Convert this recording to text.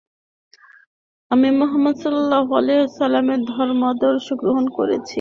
আমি মুহাম্মদ সাল্লাল্লাহু আলাইহি ওয়াসাল্লামের ধর্মাদর্শ গ্রহণ করেছি।